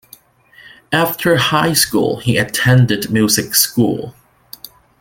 After high school, he attended music school.